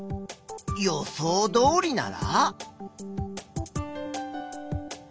予想どおりなら？